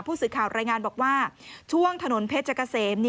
ผู้สื่อข่าวรายงานบอกว่าช่วงถนนเพชรเกษม